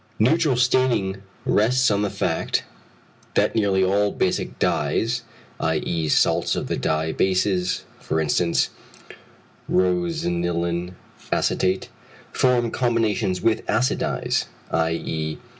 Neutral staining rests on the fact, that nearly all basic dyes (i.e. salts of the dye bases, for instance, rosanilin acetate) form combinations with acid dyes (_i.e.